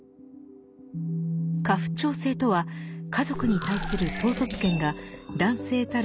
家父長制とは家族に対する統率権が男性たる